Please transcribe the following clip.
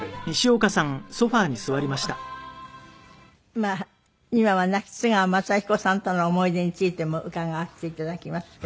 まあ今は亡き津川雅彦さんとの思い出についても伺わせていただきますけど。